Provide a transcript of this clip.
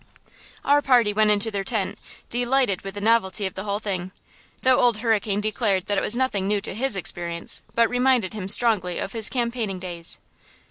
Our party went into their tent, delighted with the novelty of the whole thing, though Old Hurricane declared that it was nothing new to his experience, but reminded him strongly of his campaigning days.